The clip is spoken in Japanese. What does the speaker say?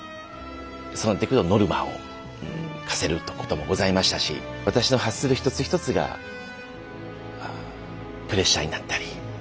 そうなってくるとノルマを課せることもございましたし私の発する一つ一つがプレッシャーになったり